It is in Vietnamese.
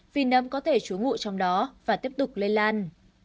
vì nấm có thể chú ngụ trong đó và tiếp tục lây lan